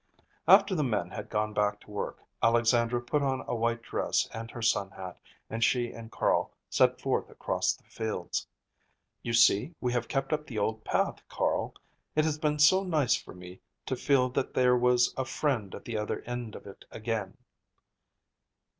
After the men had gone back to work, Alexandra put on a white dress and her sun hat, and she and Carl set forth across the fields. "You see we have kept up the old path, Carl. It has been so nice for me to feel that there was a friend at the other end of it again."